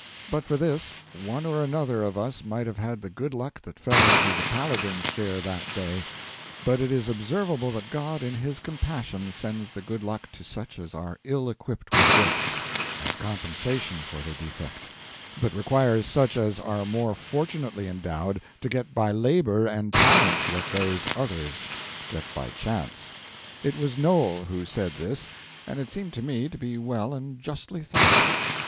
But for this, one or another of us might have had the good luck that fell to the Paladin's share that day; but it is observable that God in His compassion sends the good luck to such as are ill equipped with gifts, as compensation for their defect, but requires such as are more fortunately endowed to get by labor and talent what those others get by chance. It was Noel who said this, and it seemed to me to be well and justly thought.